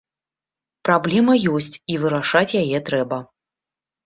Праблема ёсць, і вырашаць яе трэба.